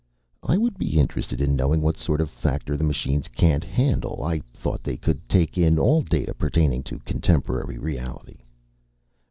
"I would be interested in knowing what sort of factor the machines can't handle. I thought they could take in all data pertaining to contemporary reality."